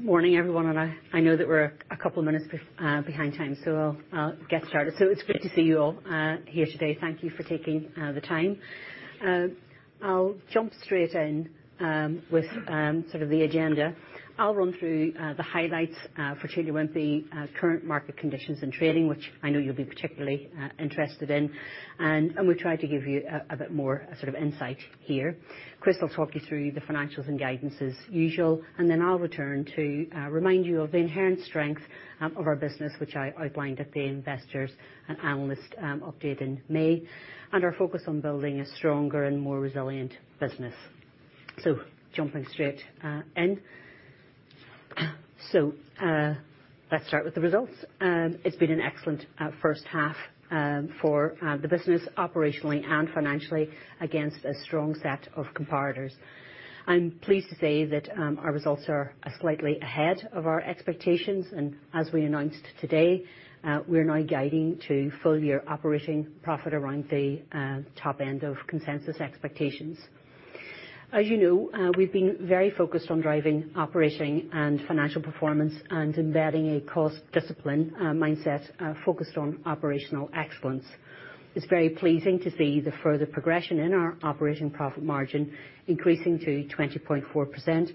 Morning, everyone, and I know that we're a couple minutes behind time, so I'll get started. It's good to see you all here today. Thank you for taking the time. I'll jump straight in with sort of the agenda. I'll run through the highlights for Taylor Wimpey current market conditions and trading, which I know you'll be particularly interested in. We'll try to give you a bit more sort of insight here. Chris will talk you through the financials and guidance as usual, and then I'll return to remind you of the inherent strength of our business, which I outlined at the Investors and Analyst update in May. Our focus on building a stronger and more resilient business. Jumping straight in. Let's start with the results. It's been an excellent first half for the business operationally and financially against a strong set of comparators. I'm pleased to say that our results are slightly ahead of our expectations, and as we announced today, we're now guiding to full year operating profit around the top end of consensus expectations. As you know, we've been very focused on driving operating and financial performance and embedding a cost discipline mindset focused on operational excellence. It's very pleasing to see the further progression in our operating profit margin increasing to 20.4%,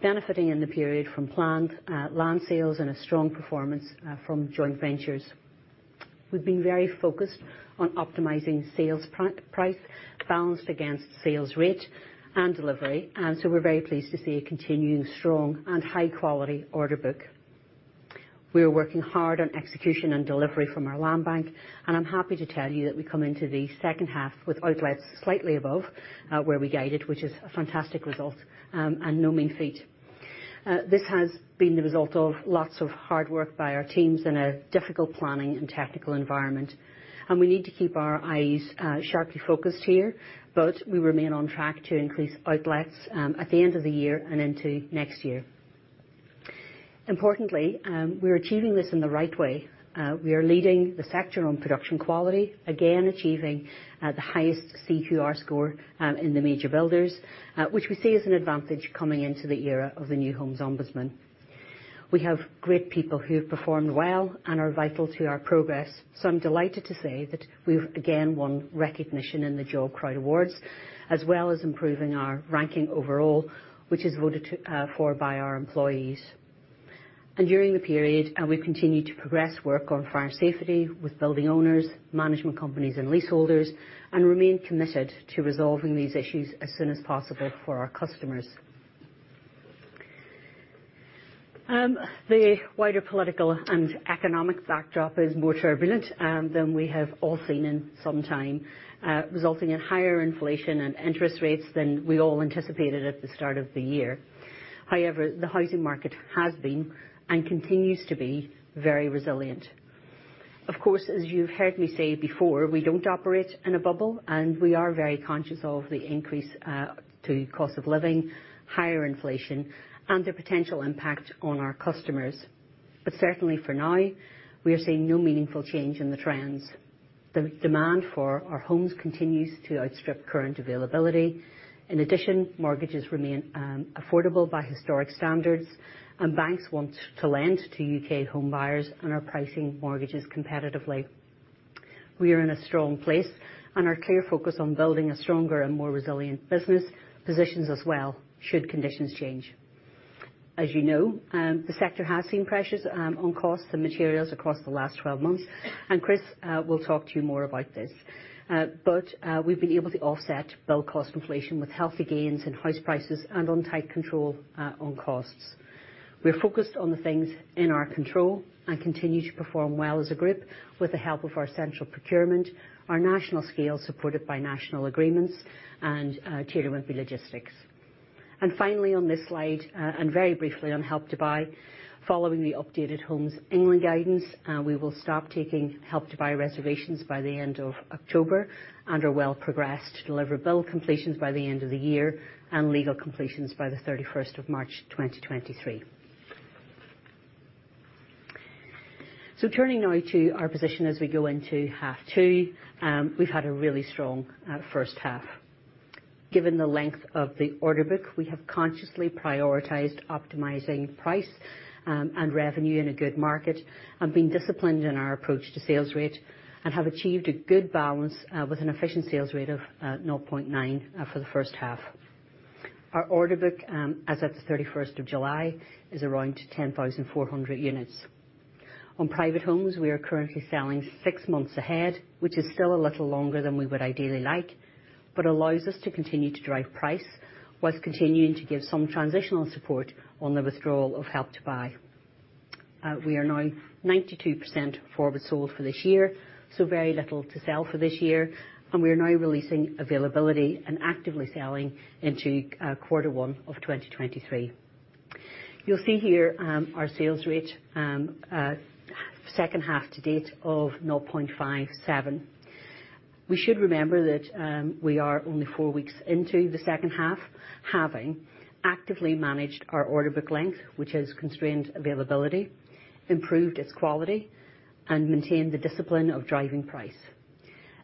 benefiting in the period from planned land sales and a strong performance from joint ventures. We've been very focused on optimizing sales price balanced against sales rate and delivery, and so we're very pleased to see a continuing strong and high quality order book. We are working hard on execution and delivery from our land bank, and I'm happy to tell you that we come into the second half with outlets slightly above where we guided, which is a fantastic result, and no mean feat. This has been the result of lots of hard work by our teams in a difficult planning and technical environment. We need to keep our eyes sharply focused here, but we remain on track to increase outlets at the end of the year and into next year. Importantly, we're achieving this in the right way. We are leading the sector on production quality, again achieving the highest CQR score in the major builders, which we see as an advantage coming into the era of the New Homes Ombudsman. We have great people who have performed well and are vital to our progress, so I'm delighted to say that we've again won recognition in the Glassdoor Awards, as well as improving our ranking overall, which is voted for by our employees. During the period, we've continued to progress work on fire safety with building owners, management companies, and leaseholders, and remain committed to resolving these issues as soon as possible for our customers. The wider political and economic backdrop is more turbulent than we have all seen in some time, resulting in higher inflation and interest rates than we all anticipated at the start of the year. However, the housing market has been and continues to be very resilient. Of course, as you've heard me say before, we don't operate in a bubble, and we are very conscious of the increase in the cost of living, higher inflation, and the potential impact on our customers. Certainly for now, we are seeing no meaningful change in the trends. The demand for our homes continues to outstrip current availability. In addition, mortgages remain affordable by historic standards, and banks want to lend to UK home buyers and are pricing mortgages competitively. We are in a strong place, and our clear focus on building a stronger and more resilient business positions us well should conditions change. As you know, the sector has seen pressures on costs and materials across the last 12 months, and Chris will talk to you more about this. But we've been able to offset build cost inflation with healthy gains in house prices and on tight control on costs. We're focused on the things in our control and continue to perform well as a group with the help of our central procurement, our national scale supported by national agreements and Taylor Wimpey Logistics. Finally, on this slide, and very briefly on Help to Buy, following the updated Homes England guidance, we will stop taking Help to Buy reservations by the end of October and are well progressed to deliver build completions by the end of the year and legal completions by the 31st of March, 2023. Turning now to our position as we go into half two, we've had a really strong first half. Given the length of the order book, we have consciously prioritized optimizing price and revenue in a good market and been disciplined in our approach to sales rate and have achieved a good balance with an efficient sales rate of 0.9 for the first half. Our order book, as of the 31st of July, is around 10,400 units. On private homes, we are currently selling six months ahead, which is still a little longer than we would ideally like, but allows us to continue to drive price while continuing to give some transitional support on the withdrawal of Help to Buy. We are now 92% forward sold for this year, so very little to sell for this year, and we are now releasing availability and actively selling into quarter one of 2023. You'll see here, our sales rate, second half to date of 0.57. We should remember that, we are only four weeks into the second half, having actively managed our order book length, which has constrained availability, improved its quality, and maintained the discipline of driving price.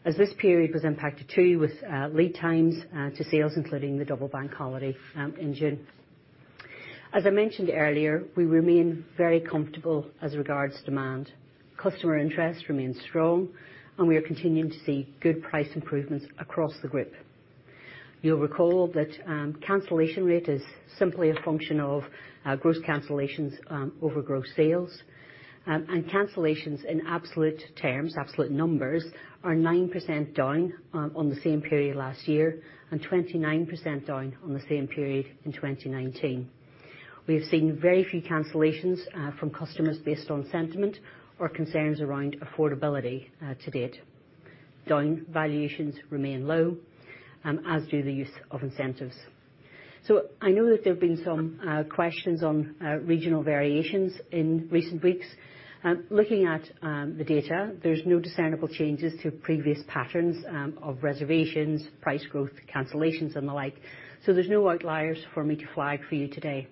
As this period was impacted too with lead times to sales, including the double bank holiday in June. As I mentioned earlier, we remain very comfortable as regards to demand. Customer interest remains strong, and we are continuing to see good price improvements across the group. You'll recall that, cancellation rate is simply a function of gross cancellations over gross sales. And cancellations in absolute terms, absolute numbers, are 9% down on the same period last year, and 29% down on the same period in 2019. We have seen very few cancellations from customers based on sentiment or concerns around affordability to date. Down valuations remain low, as do the use of incentives. I know that there have been some questions on regional variations in recent weeks. Looking at the data, there's no discernible changes to previous patterns of reservations, price growth, cancellations, and the like, so there's no outliers for me to flag for you today.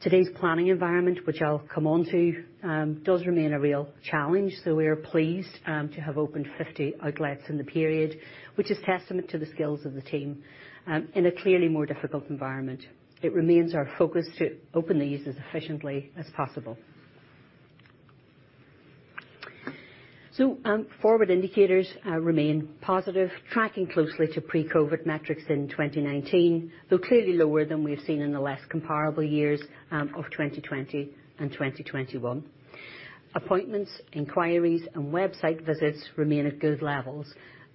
Today's planning environment, which I'll come onto, does remain a real challenge, so we are pleased to have opened 50 outlets in the period, which is testament to the skills of the team in a clearly more difficult environment. It remains our focus to open these as efficiently as possible. Forward indicators remain positive, tracking closely to pre-COVID metrics in 2019, though clearly lower than we have seen in the less comparable years of 2020 and 2021. Appointments, inquiries, and website visits remain at good levels.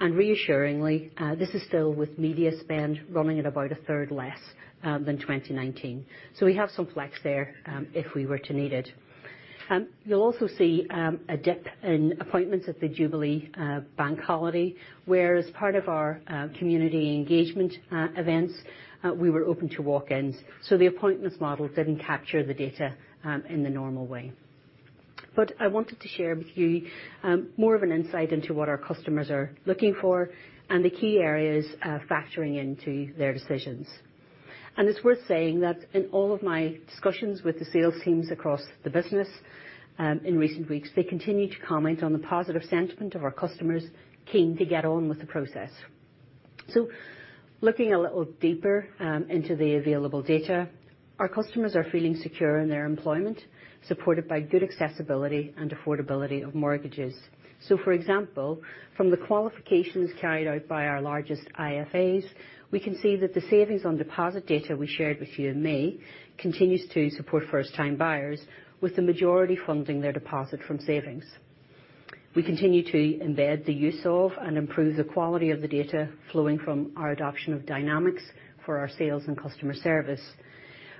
Reassuringly, this is still with media spend running at about a third less than 2019. We have some flex there, if we were to need it. You'll also see a dip in appointments at the Jubilee Bank Holiday, where as part of our community engagement events, we were open to walk-ins, so the appointments model didn't capture the data in the normal way. I wanted to share with you more of an insight into what our customers are looking for and the key areas factoring into their decisions. It's worth saying that in all of my discussions with the sales teams across the business, in recent weeks, they continue to comment on the positive sentiment of our customers keen to get on with the process. Looking a little deeper, into the available data, our customers are feeling secure in their employment, supported by good accessibility and affordability of mortgages. For example, from the qualifications carried out by our largest IFAs, we can see that the savings on deposit data we shared with you in May continues to support first-time buyers, with the majority funding their deposit from savings. We continue to embed the use of and improve the quality of the data flowing from our adoption of Dynamics for our sales and customer service.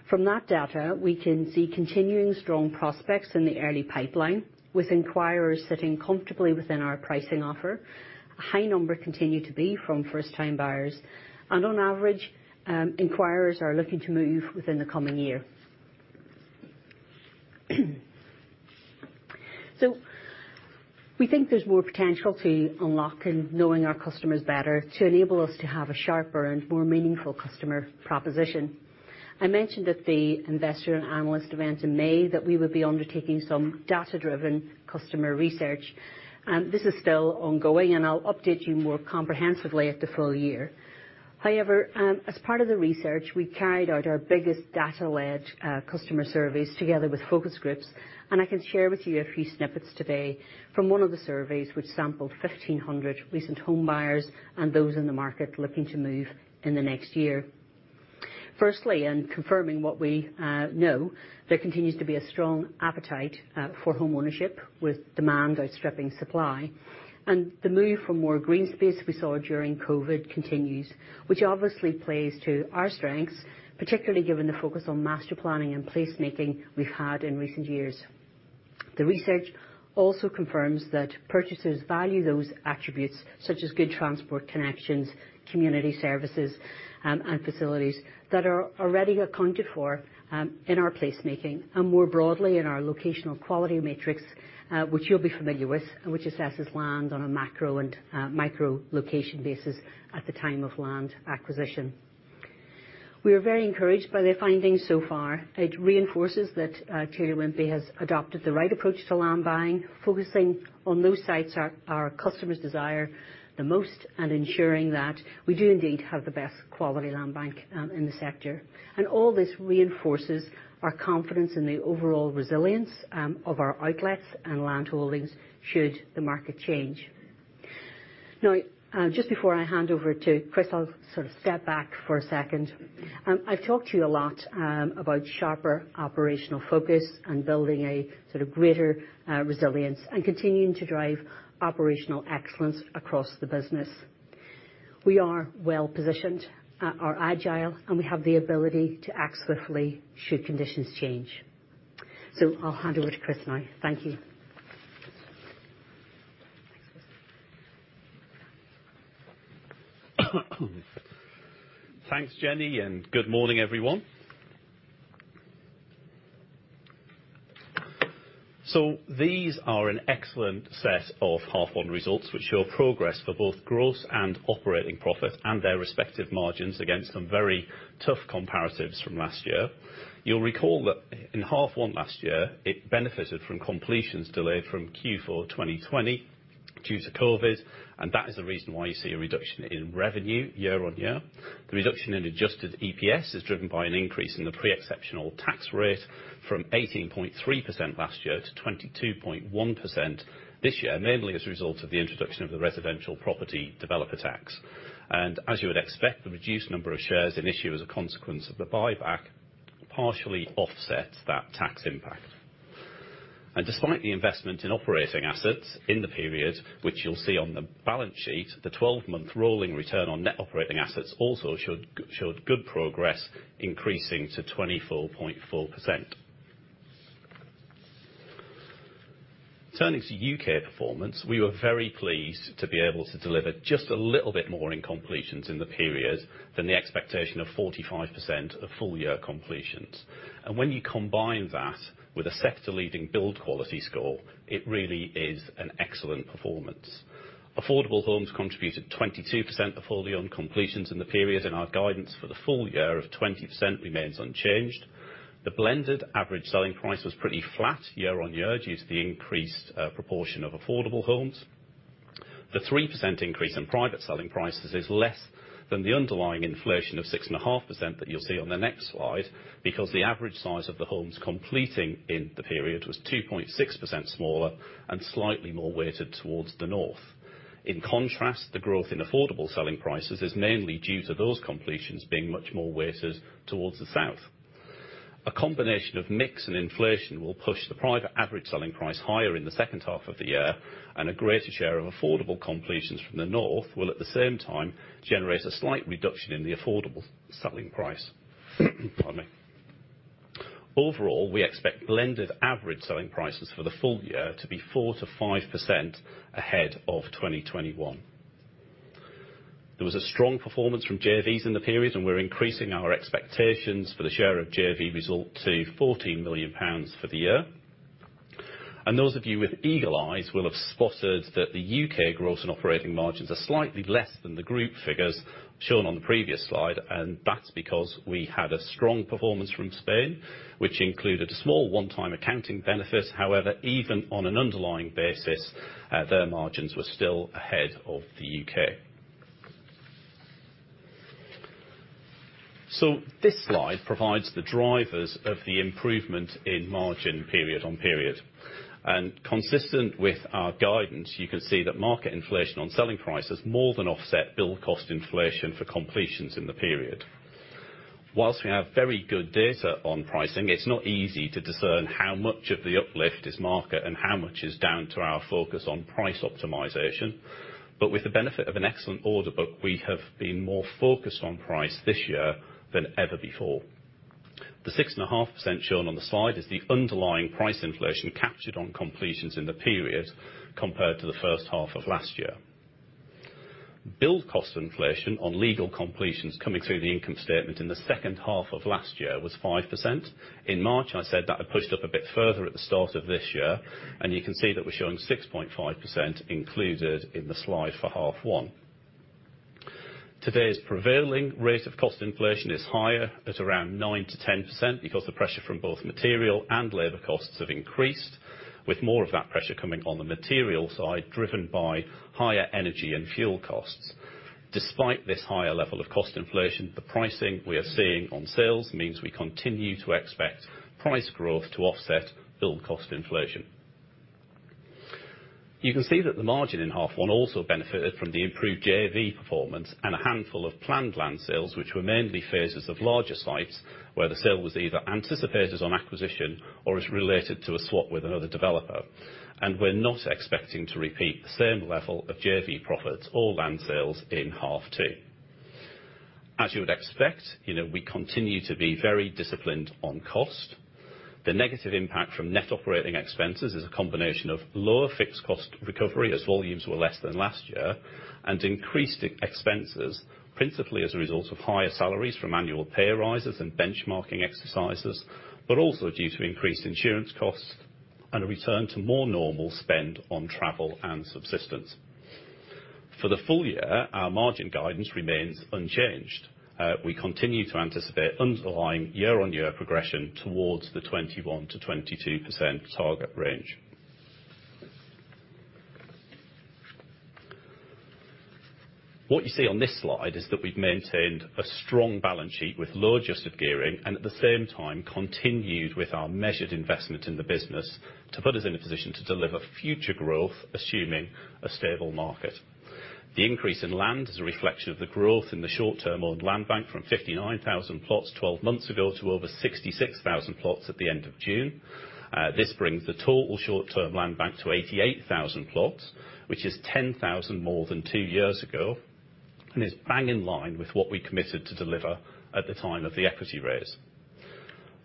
From that data, we can see continuing strong prospects in the early pipeline, with inquirers sitting comfortably within our pricing offer. A high number continue to be from first-time buyers. On average, inquirers are looking to move within the coming year. We think there's more potential to unlock in knowing our customers better to enable us to have a sharper and more meaningful customer proposition. I mentioned at the investor and analyst event in May that we would be undertaking some data-driven customer research. This is still ongoing, and I'll update you more comprehensively at the full year. However, as part of the research, we carried out our biggest data-led customer surveys together with focus groups, and I can share with you a few snippets today from one of the surveys which sampled 1,500 recent home buyers and those in the market looking to move in the next year. Firstly, and confirming what we know, there continues to be a strong appetite for homeownership with demand outstripping supply. The move for more green space we saw during COVID continues, which obviously plays to our strengths, particularly given the focus on master planning and placemaking we've had in recent years. The research also confirms that purchasers value those attributes, such as good transport connections, community services, and facilities that are already accounted for, in our placemaking, and more broadly in our locational quality matrix, which you'll be familiar with, and which assesses land on a macro and micro location basis at the time of land acquisition. We are very encouraged by the findings so far. It reinforces that Taylor Wimpey has adopted the right approach to land buying, focusing on those sites our customers desire the most, and ensuring that we do indeed have the best quality land bank in the sector. All this reinforces our confidence in the overall resilience of our outlets and landholdings should the market change. Now, just before I hand over to Chris, I'll sort of step back for a second. I've talked to you a lot about sharper operational focus and building a sort of greater resilience and continuing to drive operational excellence across the business. We are well-positioned or agile, and we have the ability to act swiftly should conditions change. I'll hand over to Chris now. Thank you. Thanks, Jennie, and good morning, everyone. These are an excellent set of half one results, which show progress for both growth and operating profit and their respective margins against some very tough comparatives from last year. You'll recall that in half one last year, it benefited from completions delayed from Q4 2020 due to COVID, and that is the reason why you see a reduction in revenue year-on-year. The reduction in adjusted EPS is driven by an increase in the pre-exceptional tax rate from 18.3% last year to 22.1% this year, mainly as a result of the introduction of the Residential Property Developer Tax. As you would expect, the reduced number of shares at issue as a consequence of the buyback partially offsets that tax impact. Despite the investment in operating assets in the period, which you'll see on the balance sheet, the 12-month rolling return on net operating assets also showed good progress, increasing to 24.4%. Turning to UK performance, we were very pleased to be able to deliver just a little bit more in completions in the period than the expectation of 45% of full year completions. When you combine that with a sector-leading build quality score, it really is an excellent performance. Affordable homes contributed 22% of full year on completions in the period. Our guidance for the full year of 20% remains unchanged. The blended average selling price was pretty flat year on year due to the increased proportion of affordable homes. The 3% increase in private selling prices is less than the underlying inflation of 6.5% that you'll see on the next slide, because the average size of the homes completing in the period was 2.6% smaller and slightly more weighted towards the north. In contrast, the growth in affordable selling prices is mainly due to those completions being much more weighted towards the south. A combination of mix and inflation will push the private average selling price higher in the second half of the year, and a greater share of affordable completions from the north will at the same time generate a slight reduction in the affordable selling price. Pardon me. Overall, we expect blended average selling prices for the full year to be 4%-5% ahead of 2021. There was a strong performance from JVs in the period, and we're increasing our expectations for the share of JV result to 14 million pounds for the year. Those of you with eagle eyes will have spotted that the U.K. growth and operating margins are slightly less than the group figures shown on the previous slide, and that's because we had a strong performance from Spain, which included a small one-time accounting benefit. However, even on an underlying basis, their margins were still ahead of the U.K. This slide provides the drivers of the improvement in margin period-on-period. Consistent with our guidance, you can see that market inflation on selling prices more than offset build cost inflation for completions in the period. While we have very good data on pricing, it's not easy to discern how much of the uplift is market and how much is down to our focus on price optimization. With the benefit of an excellent order book, we have been more focused on price this year than ever before. The 6.5% shown on the slide is the underlying price inflation captured on completions in the period compared to the first half of last year. Build cost inflation on legal completions coming through the income statement in the second half of last year was 5%. In March, I said that had pushed up a bit further at the start of this year, and you can see that we're showing 6.5% included in the slide for half one. Today's prevailing rate of cost inflation is higher at around 9%-10% because the pressure from both material and labor costs have increased, with more of that pressure coming on the material side, driven by higher energy and fuel costs. Despite this higher level of cost inflation, the pricing we are seeing on sales means we continue to expect price growth to offset build cost inflation. You can see that the margin in half one also benefited from the improved JV performance and a handful of planned land sales, which were mainly phases of larger sites where the sale was either anticipated on acquisition or is related to a swap with another developer. We're not expecting to repeat the same level of JV profits or land sales in half two. As you would expect, you know, we continue to be very disciplined on cost. The negative impact from net operating expenses is a combination of lower fixed cost recovery as volumes were less than last year, and increased expenses, principally as a result of higher salaries from annual pay rises and benchmarking exercises, but also due to increased insurance costs and a return to more normal spend on travel and subsistence. For the full year, our margin guidance remains unchanged. We continue to anticipate underlying year-on-year progression towards the 21%-22% target range. What you see on this slide is that we've maintained a strong balance sheet with low adjusted gearing and at the same time continued with our measured investment in the business to put us in a position to deliver future growth, assuming a stable market. The increase in land is a reflection of the growth in the short term on land bank from 59,000 plots twelve months ago to over 66,000 plots at the end of June. This brings the total short term land bank to 88,000 plots, which is 10,000 more than two years ago and is bang in line with what we committed to deliver at the time of the equity raise.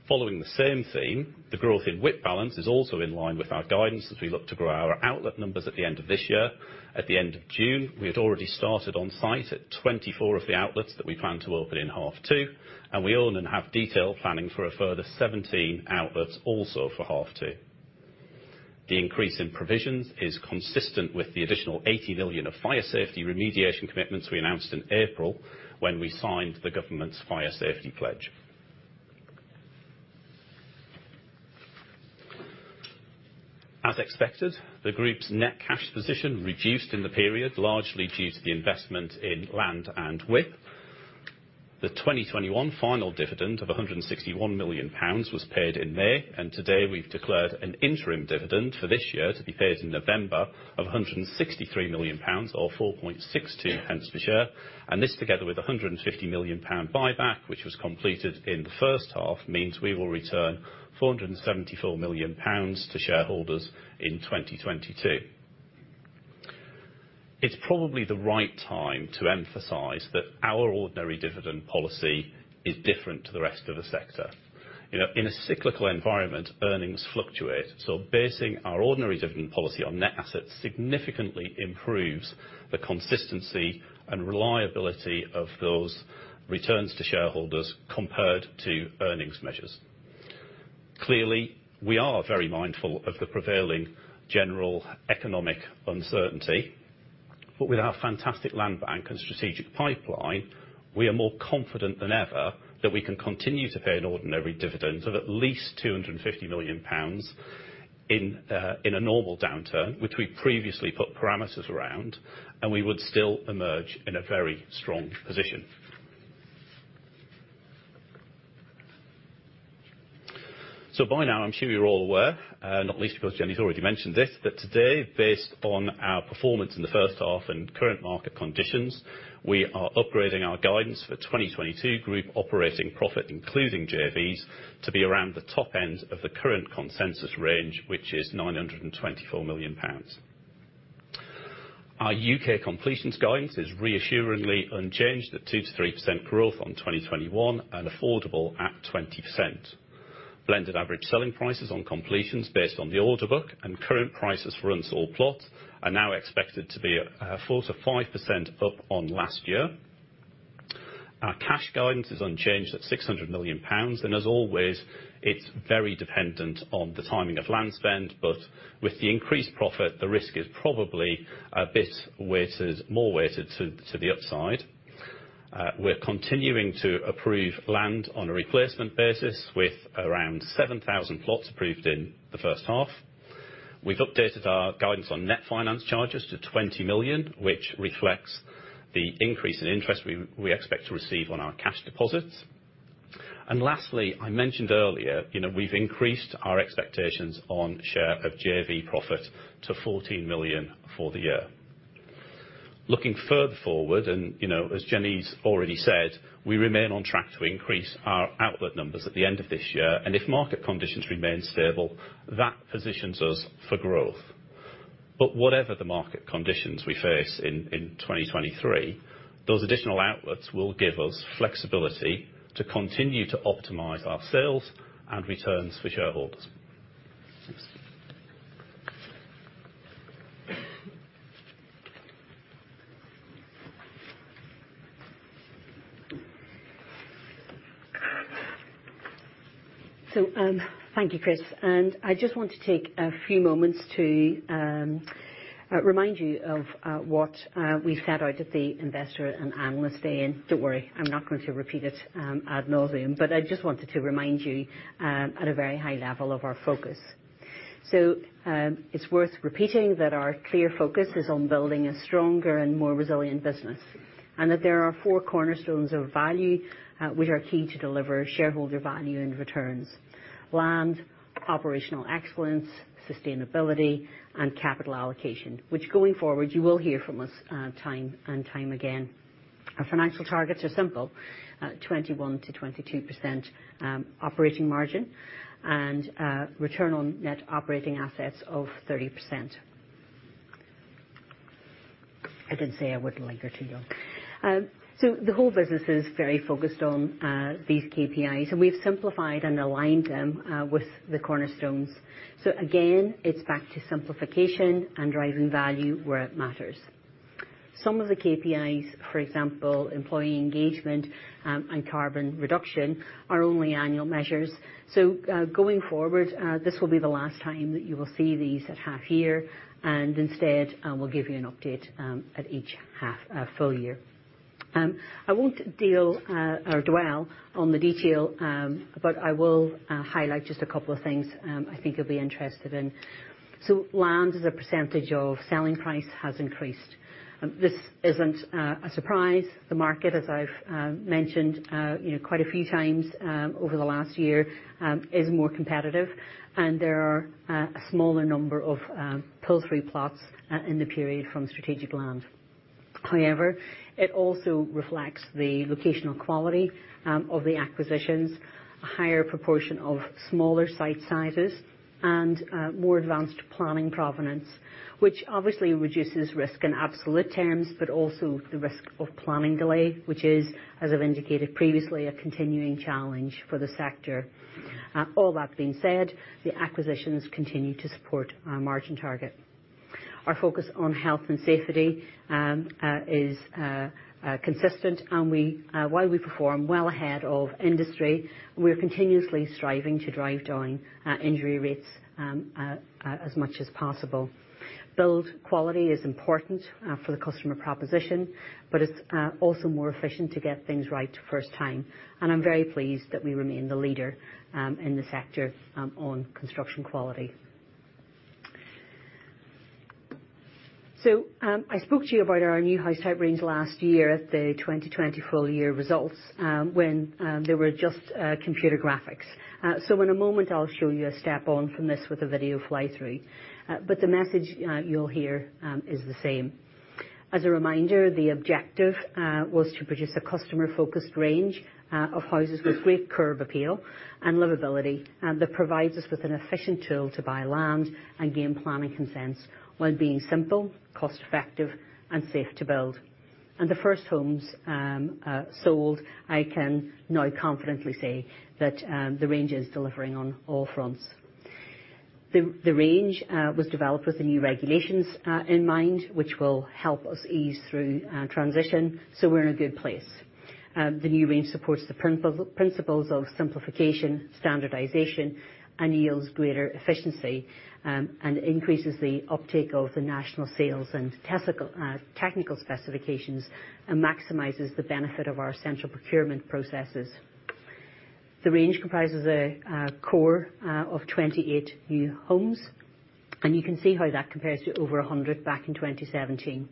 Following the same theme, the growth in WIP balance is also in line with our guidance as we look to grow our outlet numbers at the end of this year. At the end of June, we had already started on site at 24 of the outlets that we plan to open in half two, and we own and have detailed planning for a further 17 outlets also for half two. The increase in provisions is consistent with the additional 80 million of fire safety remediation commitments we announced in April when we signed the government's Building Safety Pledge. As expected, the group's net cash position reduced in the period, largely due to the investment in land and WIP. The 2021 final dividend of GBP 161 million was paid in May, and today we've declared an interim dividend for this year to be paid in November of 163 million pounds, or 4.62 pence per share. This, together with a 150 million pound buyback, which was completed in the first half, means we will return 474 million pounds to shareholders in 2022. It's probably the right time to emphasize that our ordinary dividend policy is different to the rest of the sector. You know, in a cyclical environment, earnings fluctuate, so basing our ordinary dividend policy on net assets significantly improves the consistency and reliability of those returns to shareholders compared to earnings measures. Clearly, we are very mindful of the prevailing general economic uncertainty, but with our fantastic land bank and strategic pipeline, we are more confident than ever that we can continue to pay an ordinary dividend of at least 250 million pounds in a normal downturn, which we previously put parameters around, and we would still emerge in a very strong position. By now, I'm sure you're all aware, not least because Jenny's already mentioned this, that today, based on our performance in the first half and current market conditions, we are upgrading our guidance for 2022 group operating profit, including JVs, to be around the top end of the current consensus range, which is 924 million pounds. Our UK completions guidance is reassuringly unchanged at 2%-3% growth on 2021 and affordable at 20%. Blended average selling prices on completions based on the order book and current prices for rents or plots are now expected to be 4%-5% up on last year. Our cash guidance is unchanged at 600 million pounds, and as always, it's very dependent on the timing of land spend, but with the increased profit, the risk is probably a bit weighted, more weighted to the upside. We're continuing to approve land on a replacement basis with around 7,000 plots approved in the first half. We've updated our guidance on net finance charges to 20 million, which reflects the increase in interest we expect to receive on our cash deposits. Lastly, I mentioned earlier, you know, we've increased our expectations on share of JV profit to 14 million for the year. Looking further forward, and you know, as Jenny's already said, we remain on track to increase our outlet numbers at the end of this year. If market conditions remain stable, that positions us for growth. Whatever the market conditions we face in 2023, those additional outlets will give us flexibility to continue to optimize our sales and returns for shareholders. Thank you, Chris. I just want to take a few moments to remind you of what we set out at the investor and analyst day. Don't worry, I'm not going to repeat it ad nauseam, but I just wanted to remind you at a very high level of our focus. It's worth repeating that our clear focus is on building a stronger and more resilient business, and that there are four cornerstones of value which are key to deliver shareholder value and returns. Land, operational excellence, sustainability, and capital allocation, which going forward, you will hear from us time and time again. Our financial targets are simple, 21%-22% operating margin and return on net operating assets of 30%. I did say I wouldn't linger too long. The whole business is very focused on these KPIs, and we've simplified and aligned them with the cornerstones. Again, it's back to simplification and driving value where it matters. Some of the KPIs, for example, employee engagement and carbon reduction are only annual measures. Going forward, this will be the last time that you will see these at half year. Instead, we'll give you an update at each half full year. I won't deal or dwell on the detail, but I will highlight just a couple of things I think you'll be interested in. Land as a percentage of selling price has increased. This isn't a surprise. The market, as I've mentioned, you know, quite a few times over the last year, is more competitive. There are a smaller number of pull-through plots in the period from strategic land. However, it also reflects the locational quality of the acquisitions, a higher proportion of smaller site sizes and more advanced planning provenance, which obviously reduces risk in absolute terms, but also the risk of planning delay, which is, as I've indicated previously, a continuing challenge for the sector. All that being said, the acquisitions continue to support our margin target. Our focus on health and safety is consistent. We, while we perform well ahead of industry, we're continuously striving to drive down injury rates as much as possible. Build quality is important for the customer proposition, but it's also more efficient to get things right first time. I'm very pleased that we remain the leader in the sector on construction quality. I spoke to you about our new house type range last year at the 2020 full year results, when there were just computer graphics. In a moment I'll show you a step on from this with a video fly-through. But the message you'll hear is the same. As a reminder, the objective was to produce a customer-focused range of houses with great curb appeal and livability, and that provides us with an efficient tool to buy land and gain planning consents while being simple, cost-effective, and safe to build. The first homes sold, I can now confidently say that the range is delivering on all fronts. The range was developed with the new regulations in mind, which will help us ease through transition, so we're in a good place. The new range supports the principles of simplification, standardization, and yields greater efficiency, and increases the uptake of the national sales and technical specifications, and maximizes the benefit of our central procurement processes. The range comprises a core of 28 new homes, and you can see how that compares to over 100 back in 2017.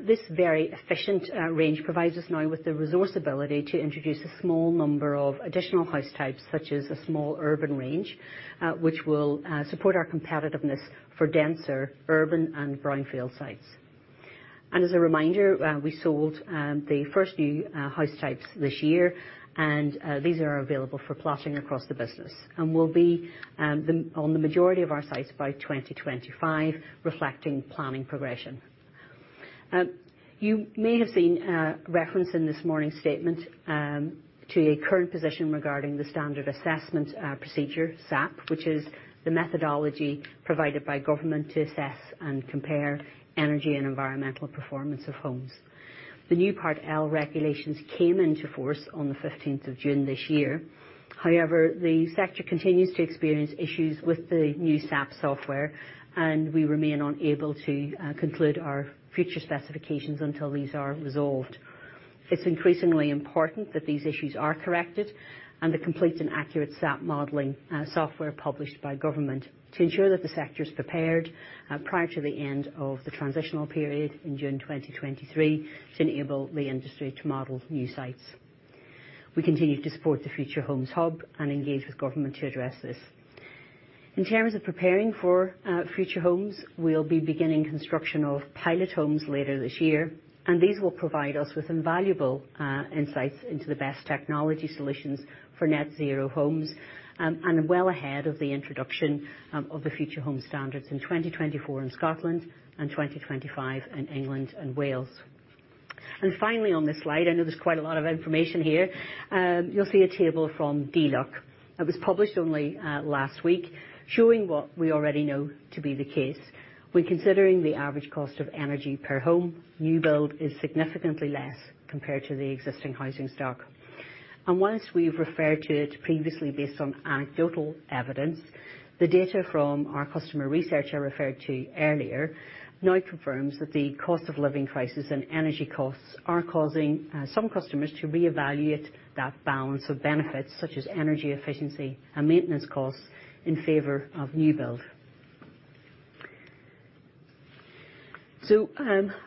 This very efficient range provides us now with the resource ability to introduce a small number of additional house types, such as a small urban range, which will support our competitiveness for denser urban and brownfield sites. As a reminder, we sold the first new house types this year and these are available for plotting across the business and will be on the majority of our sites by 2025, reflecting planning progression. You may have seen a reference in this morning's statement to a current position regarding the Standard Assessment Procedure, SAP, which is the methodology provided by government to assess and compare energy and environmental performance of homes. The new Part L regulations came into force on the fifteenth of June this year. However, the sector continues to experience issues with the new SAP software, and we remain unable to conclude our future specifications until these are resolved. It's increasingly important that these issues are corrected and the complete and accurate SAP modeling software published by government to ensure that the sector's prepared prior to the end of the transitional period in June 2023 to enable the industry to model new sites. We continue to support the Future Homes Hub and engage with government to address this. In terms of preparing for future homes, we'll be beginning construction of pilot homes later this year, and these will provide us with invaluable insights into the best technology solutions for net zero homes, and well ahead of the introduction of the Future Homes standards in 2024 in Scotland and 2025 in England and Wales. Finally on this slide, I know there's quite a lot of information here, you'll see a table from DLUHC that was published only last week showing what we already know to be the case. When considering the average cost of energy per home, new build is significantly less compared to the existing housing stock. Once we've referred to it previously based on anecdotal evidence, the data from our customer research I referred to earlier now confirms that the cost of living crisis and energy costs are causing some customers to reevaluate that balance of benefits such as energy efficiency and maintenance costs in favor of new build.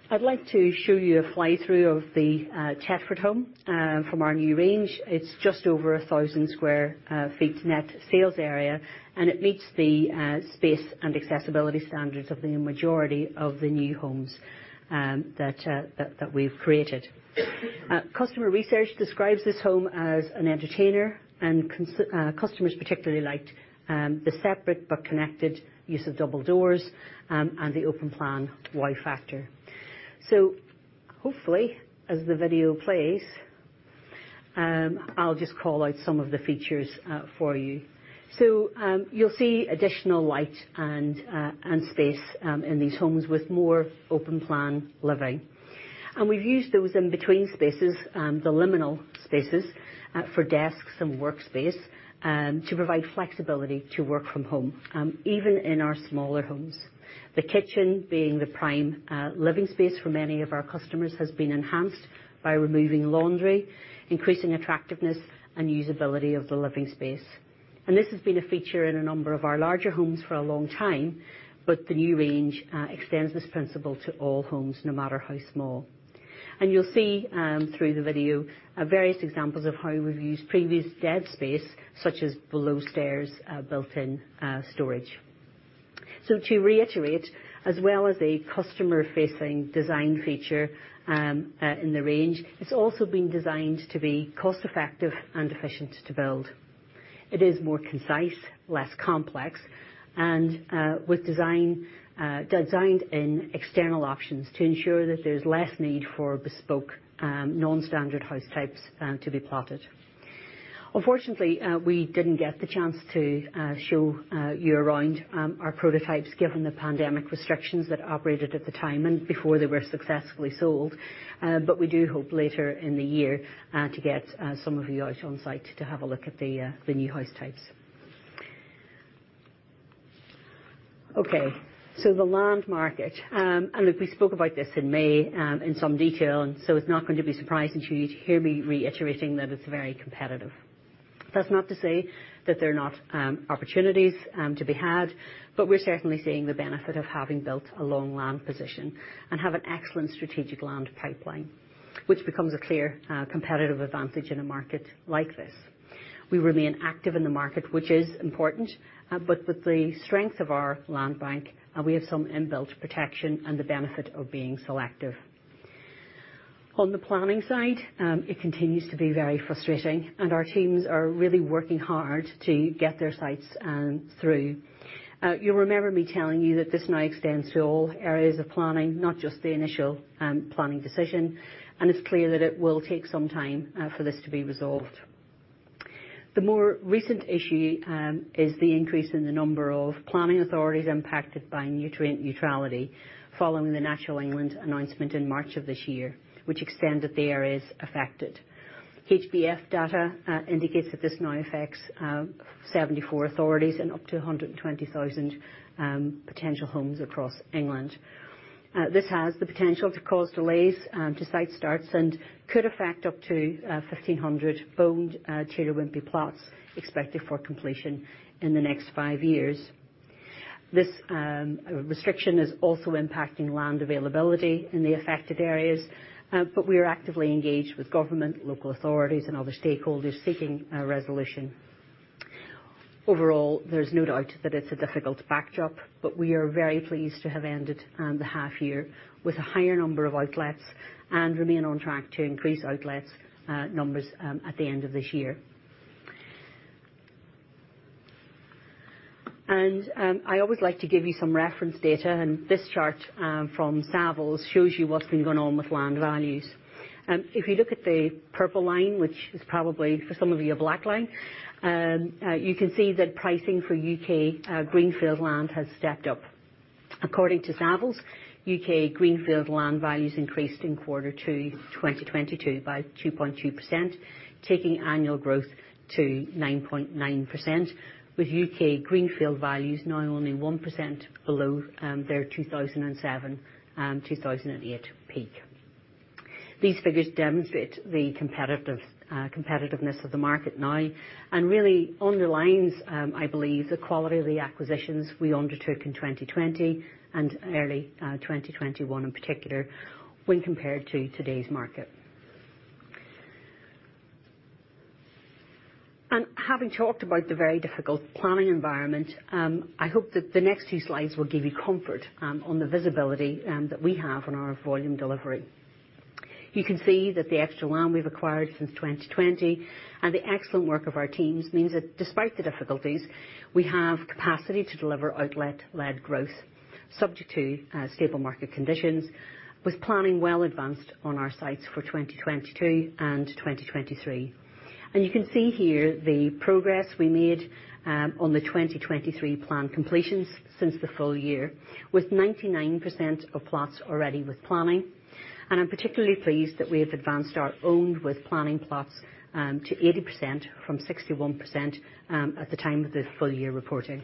I'd like to show you a fly-through of the Chedworth home from our new range. It's just over 1,000 sq ft net sales area, and it meets the space and accessibility standards of the majority of the new homes that we've created. Customer research describes this home as an entertainer and customers particularly liked the separate but connected use of double doors and the open plan Y factor. Hopefully, as the video plays, I'll just call out some of the features for you. You'll see additional light and space in these homes with more open plan living. We've used those in between spaces, the liminal spaces, for desks and workspace to provide flexibility to work from home even in our smaller homes. The kitchen being the prime, living space for many of our customers has been enhanced by removing laundry, increasing attractiveness and usability of the living space. This has been a feature in a number of our larger homes for a long time, but the new range extends this principle to all homes, no matter how small. You'll see through the video various examples of how we've used previous dead space, such as below stairs, built-in storage. To reiterate, as well as a customer-facing design feature in the range, it's also been designed to be cost-effective and efficient to build. It is more concise, less complex, and designed in external options to ensure that there's less need for bespoke, non-standard house types to be plotted. Unfortunately, we didn't get the chance to show you around our prototypes given the pandemic restrictions that operated at the time and before they were successfully sold. We do hope later in the year to get some of you out on site to have a look at the new house types. Okay, the land market, and look, we spoke about this in May, in some detail, and it's not going to be surprising to you to hear me reiterating that it's very competitive. That's not to say that they're not opportunities to be had, but we're certainly seeing the benefit of having built a long land position and have an excellent strategic land pipeline, which becomes a clear competitive advantage in a market like this. We remain active in the market, which is important, but with the strength of our land bank, we have some inbuilt protection and the benefit of being selective. On the planning side, it continues to be very frustrating, and our teams are really working hard to get their sites through. You'll remember me telling you that this now extends to all areas of planning not just the initial planning decision, and it's clear that it will take some time for this to be resolved. The more recent issue is the increase in the number of planning authorities impacted by nutrient neutrality following the Natural England announcement in March of this year, which extended the areas affected. HBF data indicates that this now affects 74 authorities and up to 120,000 potential homes across England. This has the potential to cause delays to site starts and could affect up to 1,500 owned Taylor Wimpey plots expected for completion in the next five years. This restriction is also impacting land availability in the affected areas, but we are actively engaged with government, local authorities and other stakeholders seeking a resolution. Overall, there's no doubt that it's a difficult backdrop, but we are very pleased to have ended the half year with a higher number of outlets, and remain on track to increase outlets numbers at the end of this year. I always like to give you some reference data, and this chart from Savills shows you what's been going on with land values. If you look at the purple line, which is probably for some of you a black line, you can see that pricing for UK greenfield land has stepped up. According to Savills, UK greenfield land values increased in Q2 2022 by 2.2%, taking annual growth to 9.9%, with UK greenfield values now only 1% below their 2007-2008 peak. These figures demonstrate the competitiveness of the market now, and really underlines, I believe, the quality of the acquisitions we undertook in 2020 and early 2021 in particular when compared to today's market. Having talked about the very difficult planning environment, I hope that the next two slides will give you comfort on the visibility that we have on our volume delivery. You can see that the extra land we've acquired since 2020 and the excellent work of our teams means that despite the difficulties, we have capacity to deliver outlet-led growth subject to stable market conditions, with planning well advanced on our sites for 2022 and 2023. You can see here the progress we made on the 2023 plan completions since the full year, with 99% of plots already with planning. I'm particularly pleased that we have advanced our owned with planning plots to 80% from 61% at the time of the full year reporting.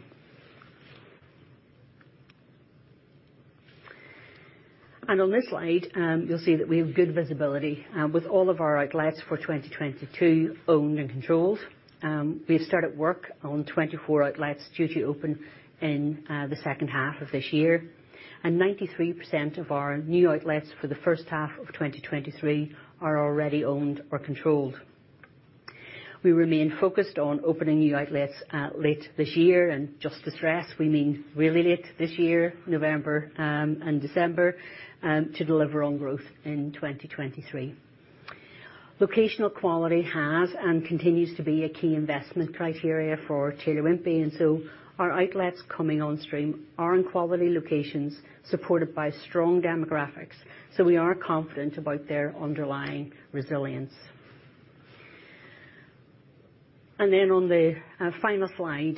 On this slide, you'll see that we have good visibility with all of our outlets for 2022 owned and controlled. We have started work on 24 outlets due to open in the second half of this year, and 93% of our new outlets for the first half of 2023 are already owned or controlled. We remain focused on opening new outlets late this year, and just to stress, we mean really late this year, November and December to deliver on growth in 2023. Locational quality has and continues to be a key investment criteria for Taylor Wimpey, and so our outlets coming on stream are in quality locations supported by strong demographics. We are confident about their underlying resilience. On the final slide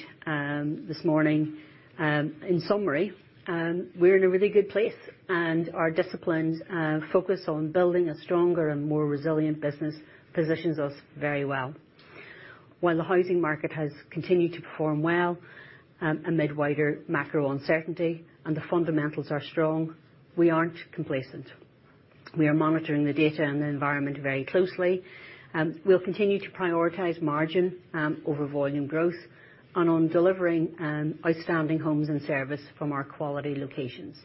this morning, in summary, we're in a really good place, and our disciplined focus on building a stronger and more resilient business positions us very well. While the housing market has continued to perform well, amid wider macro uncertainty and the fundamentals are strong, we aren't complacent. We are monitoring the data and the environment very closely, we'll continue to prioritize margin, over volume growth and on delivering, outstanding homes and service from our quality locations.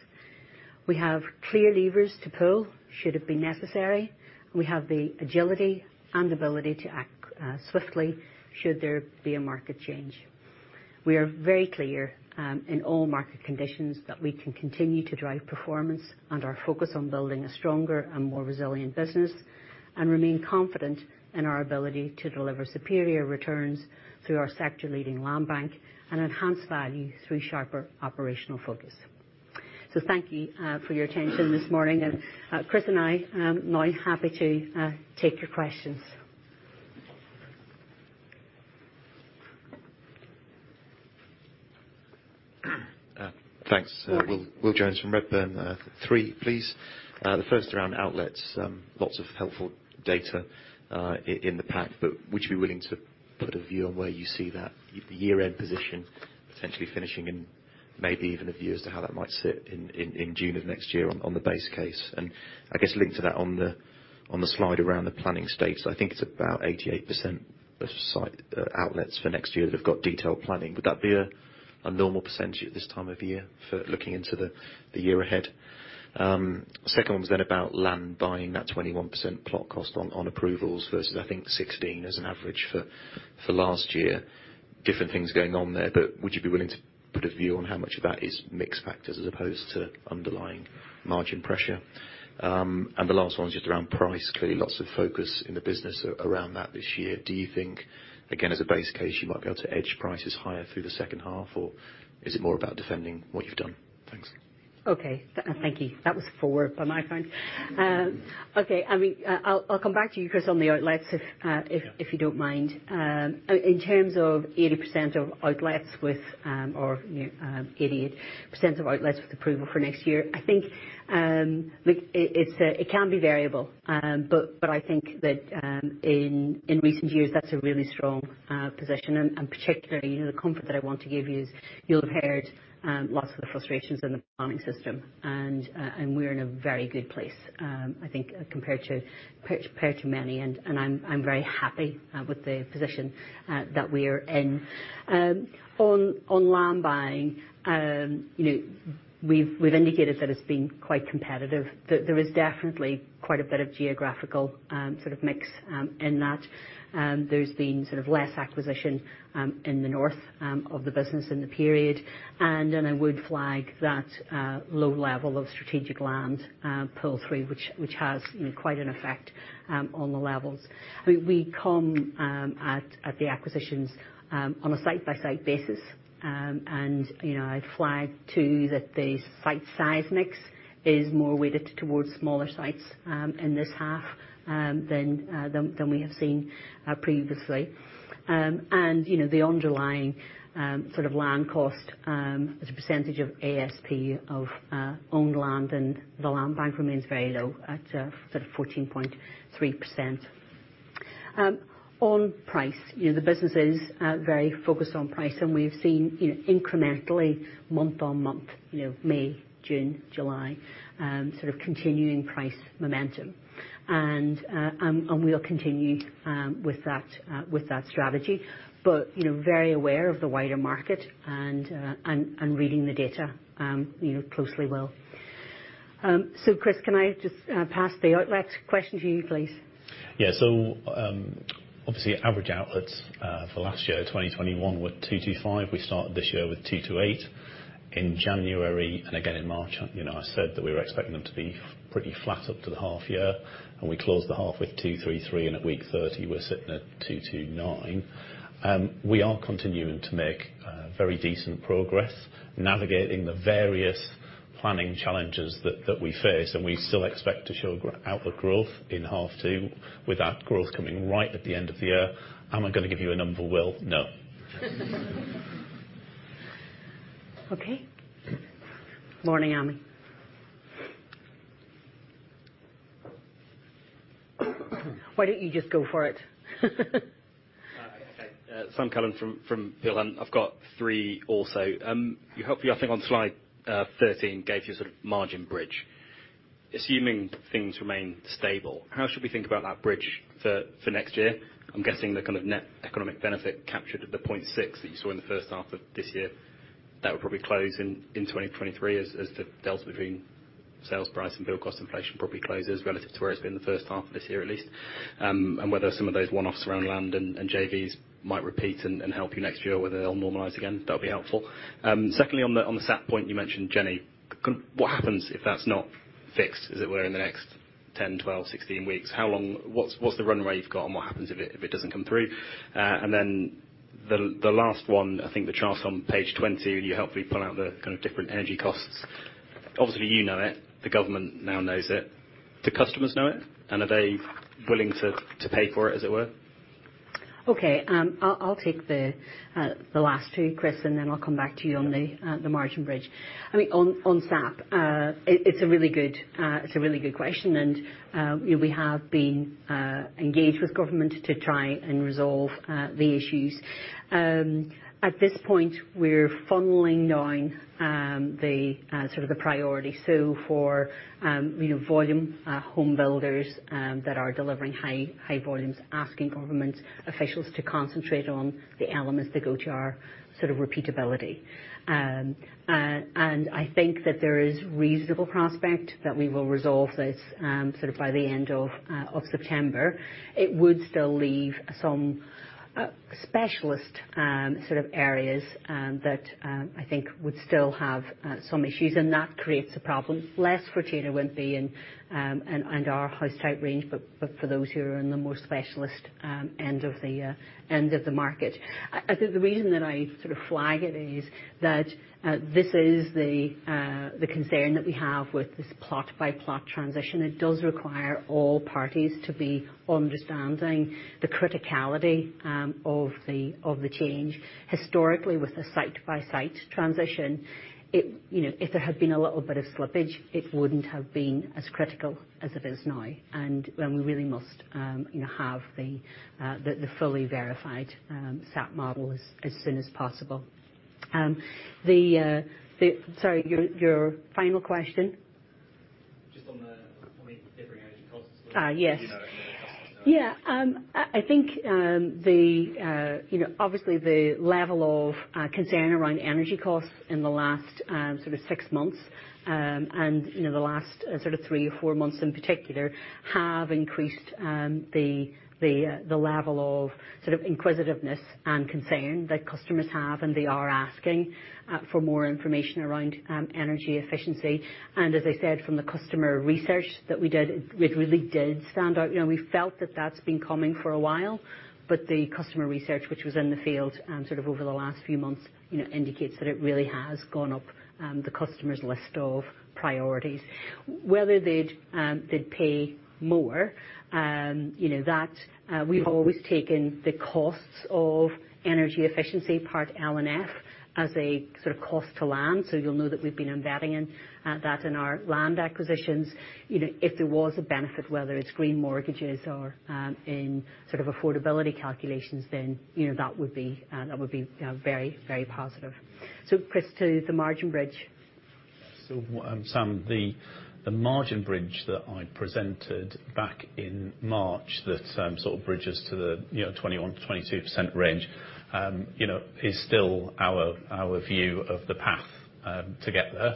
We have clear levers to pull should it be necessary, and we have the agility and ability to act, swiftly should there be a market change. We are very clear, in all market conditions that we can continue to drive performance and our focus on building a stronger and more resilient business, and remain confident in our ability to deliver superior returns through our sector-leading land bank and enhance value through sharper operational focus. Thank you, for your attention this morning. Chris and I now happy to take your questions. Thanks. Yeah. Will Jones from Redburn. Three, please. The first around outlets, lots of helpful data in the pack, but would you be willing to put a view on where you see that the year-end position potentially finishing in Maybe even a view as to how that might sit in June of next year on the base case. I guess linked to that on the slide around the planning stage, I think it's about 88% of site outlets for next year that have got detailed planning. Would that be a normal percentage at this time of year for looking into the year ahead? Second one was then about land buying. That 21% plot cost on approvals versus, I think, 16% as an average for last year. Different things going on there, but would you be willing to put a view on how much of that is mixed factors as opposed to underlying margin pressure? The last one is just around price. Clearly lots of focus in the business around that this year. Do you think, again, as a base case, you might be able to edge prices higher through the second half, or is it more about defending what you've done? Thanks. Okay. Thank you. That was four on my count. Okay. I mean, I'll come back to you, Chris, on the outlets if Yeah. If you don't mind. In terms of 80% of outlets with, you know, 88% of outlets with approval for next year, I think it can be variable. But I think that in recent years, that's a really strong position. Particularly, you know, the comfort that I want to give you is you'll have heard lots of the frustrations in the planning system, and we're in a very good place, I think compared to many. I'm very happy with the position that we are in. On land buying, you know, we've indicated that it's been quite competitive. There is definitely quite a bit of geographical sort of mix in that. There's been sort of less acquisition in the north of the business in the period. I would flag that low level of strategic land pull through which has, you know, quite an effect on the levels. We come at the acquisitions on a site-by-site basis. I flag too that the site size mix is more weighted towards smaller sites in this half than we have seen previously. The underlying sort of land cost as a percentage of ASP of owned land and the land bank remains very low at sort of 14.3%. On price, you know, the business is very focused on price, and we've seen, you know, incrementally, month-on-month, you know, May, June, July, sort of continuing price momentum. We'll continue with that strategy. You know, very aware of the wider market, and reading the data, you know, closely well. Chris, can I just pass the outlet question to you, please? Obviously average outlets for last year, 2021, were 225. We started this year with 228. In January and again in March, you know, I said that we were expecting them to be pretty flat up to the half year, and we closed the half with 233, and at week 30 we're sitting at 229. We are continuing to make very decent progress navigating the various planning challenges that we face, and we still expect to show outlet growth in half two, with that growth coming right at the end of the year. Am I gonna give you a number, Will? No. Okay. Lorna Ami. Why don't you just go for it? Hi, Sam Cullen from Peel Hunt, and I've got three also. I think on slide 13, you gave your sort of margin bridge. Assuming things remain stable, how should we think about that bridge for next year? I'm guessing the kind of net economic benefit captured at the 0.6 that you saw in the first half of this year, that would probably close in 2023 as the delta between sales price and build cost inflation probably closes relative to where it's been in the first half of this year at least. Whether some of those one-offs around land and JVs might repeat and help you next year, or whether they'll normalize again. That'll be helpful. Secondly, on the SAP point you mentioned Jenny, could—what happens if that's not fixed, as it were, in the next 10, 12, 16 weeks? How long? What's the runway you've got, and what happens if it doesn't come through? The last one, I think the charts on page 20, and you helpfully point out the kind of different energy costs. Obviously, you know it. The government now knows it. Do customers know it, and are they willing to pay for it, as it were? Okay. I'll take the last two, Chris, and then I'll come back to you on the margin bridge. I mean, on SAP, it's a really good question and, you know, we have been engaged with government to try and resolve the issues. At this point, we're funneling down the sort of priority for, you know, volume home builders that are delivering high volumes, asking government officials to concentrate on the elements that go to our sort of repeatability. I think that there is reasonable prospect that we will resolve this sort of by the end of September. It would still leave some specialist sort of areas that I think would still have some issues, and that creates the problems. Less for Taylor Wimpey and our house type range, but for those who are in the more specialist end of the end of the market. I think the reason that I sort of flag it is that this is the concern that we have with this plot-by-plot transition. It does require all parties to be understanding the criticality of the change. Historically, with a site-by-site transition, it, you know, if there had been a little bit of slippage, it wouldn't have been as critical as it is now, and we really must, you know, have the fully verified SAP model as soon as possible. Sorry, your final question? Just on the differing energy costs. Yes. You know, for the customers. Yeah, I think you know, obviously the level of concern around energy costs in the last sort of six months, and you know, the last sort of three or four months in particular, have increased the level of sort of inquisitiveness and concern that customers have, and they are asking for more information around energy efficiency. As I said, from the customer research that we did, it really did stand out. You know, we felt that that's been coming for a while, but the customer research, which was in the field sort of over the last few months, you know, indicates that it really has gone up the customer's list of priorities. Whether they'd pay more, you know, we've always taken the costs of energy efficiency Part L and Part F as a sort of cost to land, so you'll know that we've been embedding that in our land acquisitions. You know, if there was a benefit, whether it's green mortgages or in sort of affordability calculations, then, you know, that would be very, very positive. Chris, to the margin bridge. Sam, the margin bridge that I presented back in March that sort of bridges to the, you know, 21%-22% range, you know, is still our view of the path to get there.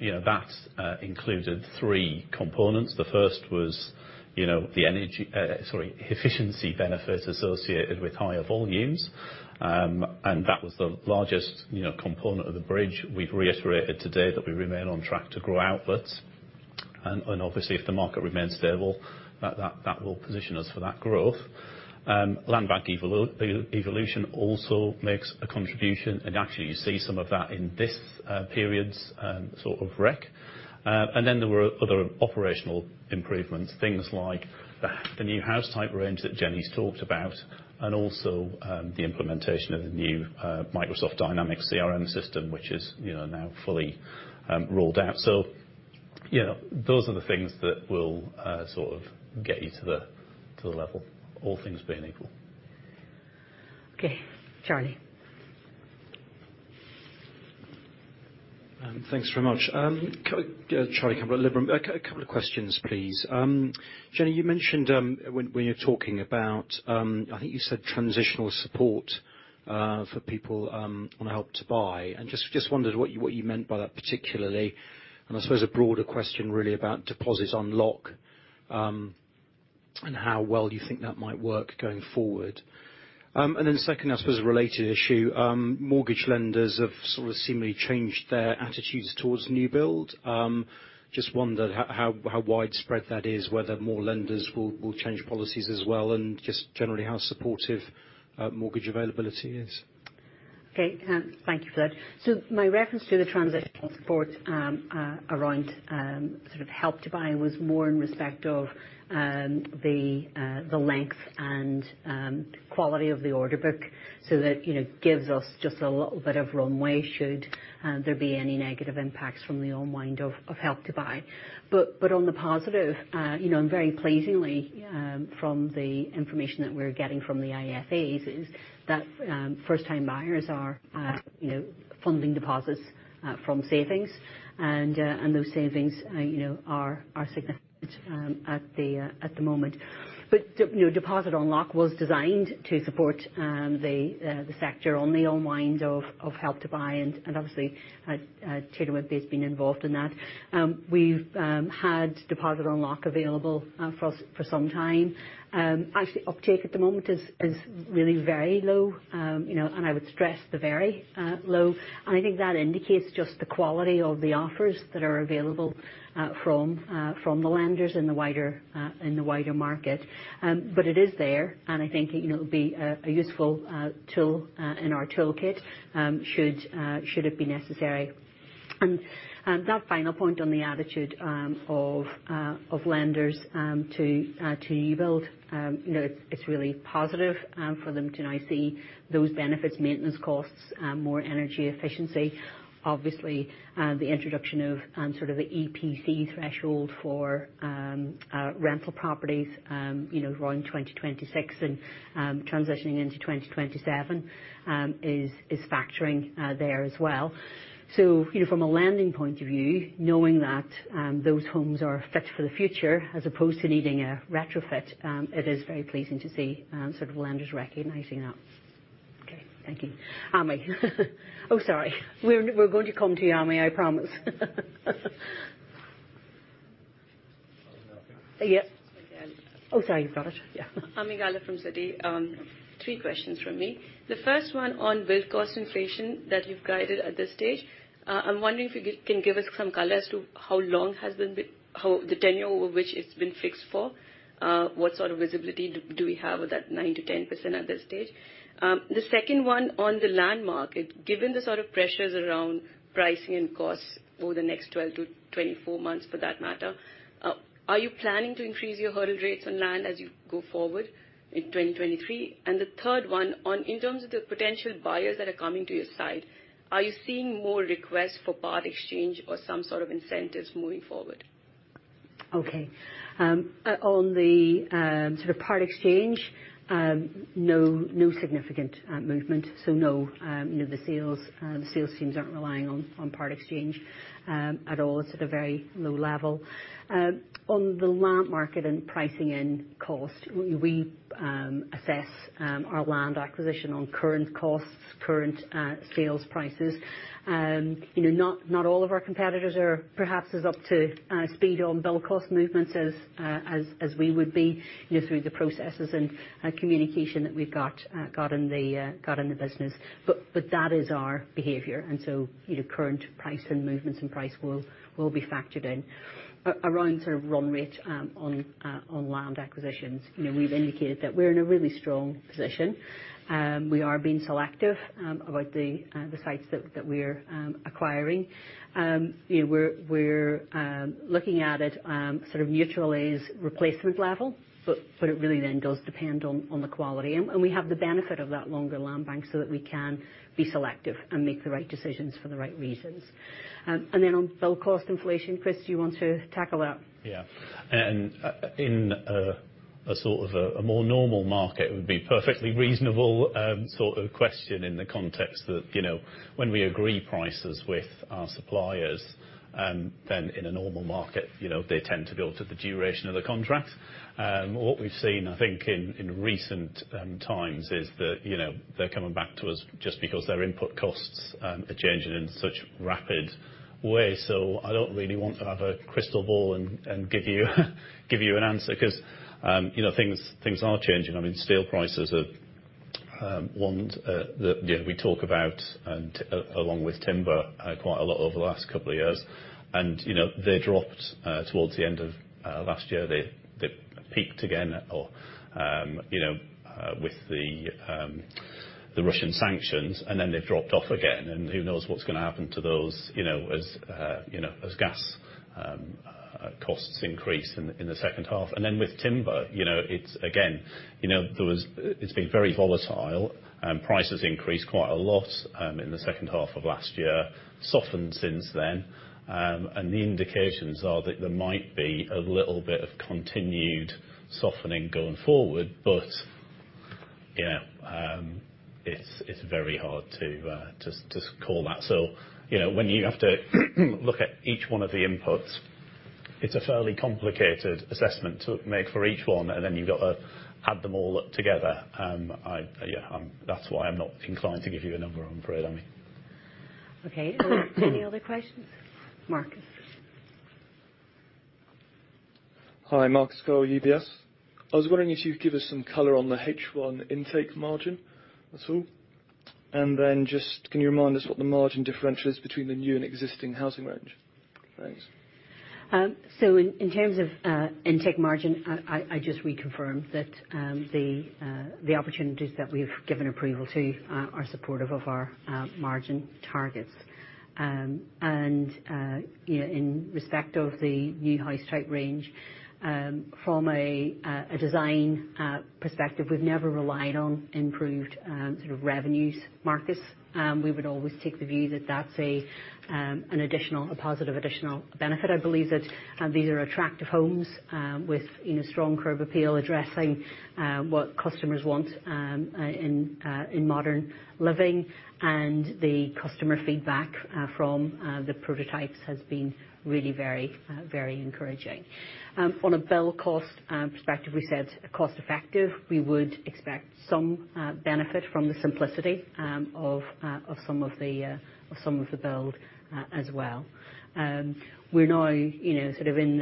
You know, that included three components. The first was, you know, the energy efficiency benefits associated with higher volumes. That was the largest, you know, component of the bridge. We've reiterated today that we remain on track to grow outputs. Obviously, if the market remains stable, that will position us for that growth. Land bank evolution also makes a contribution, and actually, you see some of that in this period's sort of rec. There were other operational improvements, things like the new house type range that Jenny's talked about, and also, the implementation of the new Microsoft Dynamics CRM system, which is, you know, now fully rolled out. You know, those are the things that will sort of get you to the level, all things being equal. Okay. Charlie. Thanks very much. Charlie Campbell, Liberum. A couple of questions, please. Jenny, you mentioned, when you were talking about, I think you said transitional support for people on Help to Buy. Just wondered what you meant by that particularly, and I suppose a broader question really about Deposit Unlock and how well you think that might work going forward. Then second, I suppose a related issue, mortgage lenders have sort of seemingly changed their attitudes towards new build. Just wondered how widespread that is, whether more lenders will change policies as well, and just generally how supportive mortgage availability is. Okay. Thank you for that. My reference to the transitional support around sort of Help to Buy was more in respect of the length and quality of the order book so that, you know, gives us just a little bit of runway should there be any negative impacts from the unwind of Help to Buy. On the positive, you know, and very pleasingly, from the information that we're getting from the IFAs is that first-time buyers are, you know, funding deposits from savings. Those savings, you know, are significant at the moment. You know, Deposit Unlock was designed to support the sector on the unwinds of Help to Buy and obviously Taylor Wimpey's been involved in that. We've had Deposit Unlock available for some time. Actually uptake at the moment is really very low, you know, and I would stress the very low. I think that indicates just the quality of the offers that are available from the lenders in the wider market. It is there, and I think, you know, it'll be a useful tool in our toolkit, should it be necessary. That final point on the attitude of lenders to new build, you know, it's really positive for them to now see those benefits, maintenance costs, more energy efficiency. Obviously, the introduction of sort of the EPC threshold for rental properties, you know, around 2026 and transitioning into 2027, is factoring there as well. You know, from a lending point of view, knowing that those homes are fit for the future as opposed to needing a retrofit, it is very pleasing to see sort of lenders recognizing that. Okay. Thank you. Ami. Oh, sorry. We're going to come to you, Ami, I promise. Oh, nothing. Yeah. Okay, I'll Oh, sorry. You've got it. Yeah. Ami Galla from Citi. Three questions from me. The first one on build cost inflation that you've guided at this stage, I'm wondering if you can give us some color as to how the tenure over which it's been fixed for, what sort of visibility do we have with that 9%-10% at this stage? The second one on the land market. Given the sort of pressures around pricing and costs over the next 12-24 months for that matter, are you planning to increase your hurdle rates on land as you go forward in 2023? The third one on in terms of the potential buyers that are coming to your site, are you seeing more requests for part exchange or some sort of incentives moving forward? Okay. On sort of part exchange, no significant movement. No, you know, the sales teams aren't relying on part exchange at all. It's at a very low level. On the land market and pricing and cost, we assess our land acquisition on current costs, current sales prices. You know, not all of our competitors are perhaps as up to speed on build cost movements as we would be, you know, through the processes and communication that we've got in the business. That is our behavior. You know, current price and movements and price will be factored in. Around sort of run rate on land acquisitions, you know, we've indicated that we're in a really strong position. We are being selective about the sites that we're acquiring. You know, we're looking at it sort of mutually as replacement level, but it really then does depend on the quality. We have the benefit of that longer land bank so that we can be selective and make the right decisions for the right reasons. On build cost inflation, Chris, do you want to tackle that? Yeah. In a sort of a more normal market, it would be perfectly reasonable sort of question in the context that, you know, when we agree prices with our suppliers, then in a normal market, you know, they tend to go to the duration of the contract. What we've seen, I think, in recent times is that, you know, they're coming back to us just because their input costs are changing in such rapid ways. I don't really want to have a crystal ball and give you an answer. 'Cause, you know, things are changing. I mean, steel prices are ones that, you know, we talk about and along with timber quite a lot over the last couple of years. You know, they dropped towards the end of last year. They peaked again with the Russian sanctions, and then they've dropped off again, and who knows what's gonna happen to those, you know, as you know, as gas costs increase in the second half. Then with timber, you know, it's again, you know, it's been very volatile. Prices increased quite a lot in the second half of last year. Softened since then. And the indications are that there might be a little bit of continued softening going forward. You know, it's very hard to call that. You know, when you have to look at each one of the inputs, it's a fairly complicated assessment to make for each one, and then you've got to add them all up together. That's why I'm not inclined to give you a number, I'm afraid. I mean. Okay. Are there any other questions? Marcus? Hi, Marcus Cole, UBS. I was wondering if you'd give us some color on the H1 intake margin, that's all. Just can you remind us what the margin differential is between the new and existing housing range? Thanks. In terms of intake margin, I just reconfirm that the opportunities that we've given approval to are supportive of our margin targets. You know, in respect of the new house type range, from a design perspective, we've never relied on improved sort of revenues markets. We would always take the view that that's an additional positive benefit. I believe that these are attractive homes with you know strong curb appeal, addressing what customers want in modern living. The customer feedback from the prototypes has been really very encouraging. On a build cost perspective, we said cost effective. We would expect some benefit from the simplicity of some of the build as well. We're now, you know, sort of in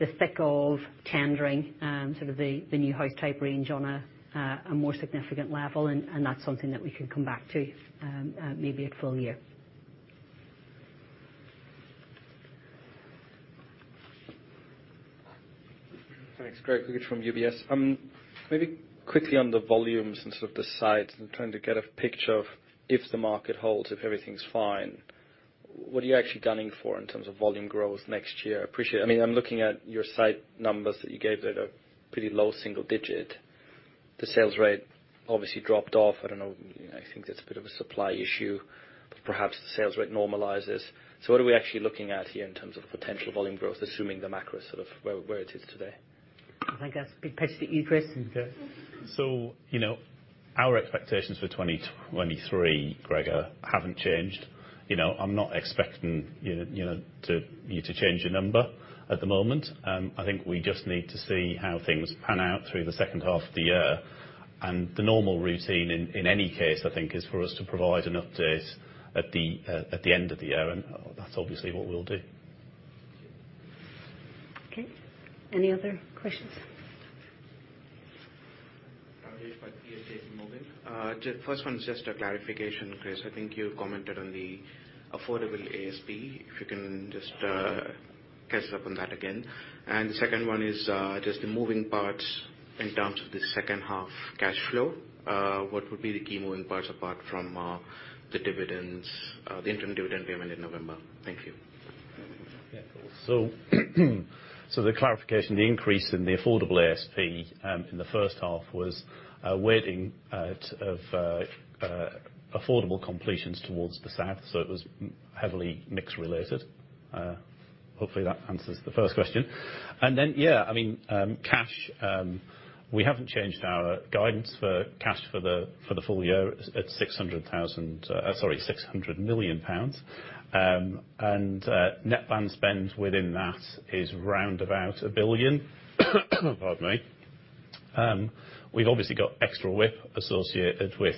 the thick of tendering sort of the new house type range on a more significant level and that's something that we can come back to maybe at full year. Thanks. Gregor Kuglitsch from UBS. Maybe quickly on the volumes and sort of the sites, I'm trying to get a picture of if the market holds, if everything's fine, what are you actually gunning for in terms of volume growth next year? Appreciate it. I mean, I'm looking at your site numbers that you gave. They're at a pretty low single digit. The sales rate obviously dropped off. I don't know, you know, I think that's a bit of a supply issue. But perhaps the sales rate normalizes. So what are we actually looking at here in terms of potential volume growth, assuming the macro is sort of where it is today? I think that's best pitched to you, Chris. Okay. Our expectations for 2023, Gregor, haven't changed. You know, I'm not expecting you know, to change the number at the moment. I think we just need to see how things pan out through the second half of the year. The normal routine in any case, I think, is for us to provide an update at the end of the year, and that's obviously what we'll do. Okay. Any other questions? Yes, by Rajesh Patki from JPMorgan. Just first one is just a clarification, Chris. I think you commented on the affordable ASP, if you can just catch up on that again. The second one is just the moving parts in terms of the second half cash flow. What would be the key moving parts apart from the dividends, the interim dividend payment in November? Thank you. Cool. The clarification, the increase in the affordable ASP in the first half was a weighting of affordable completions towards the south. It was heavily mix related. Hopefully that answers the first question. We haven't changed our guidance for cash for the full year at 600 million pounds. Net planned spend within that is round about 1 billion. Pardon me. We've obviously got extra WIP associated with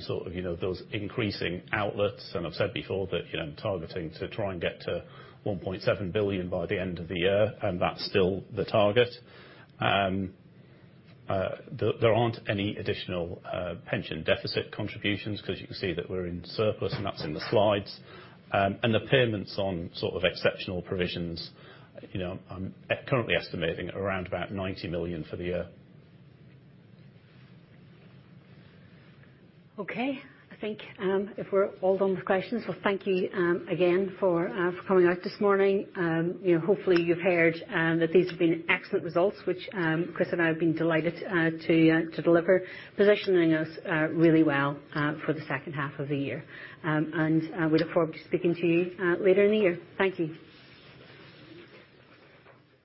sort of, you know, those increasing outlets. I've said before that, you know, I'm targeting to try and get to 1.7 billion by the end of the year, and that's still the target. There aren't any additional pension deficit contributions 'cause you can see that we're in surplus, and that's in the slides. The payments on sort of exceptional provisions, you know, I'm currently estimating around about 90 million for the year. Okay. I think if we're all done with questions, well, thank you again for coming out this morning. You know, hopefully you've heard that these have been excellent results, which Chris and I have been delighted to deliver, positioning us really well for the second half of the year. We look forward to speaking to you later in the year. Thank you.